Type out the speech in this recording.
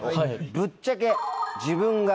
ぶっちゃけ。